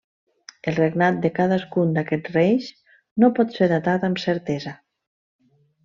El regnat de cadascun d'aquests reis no pot ser datat amb certesa.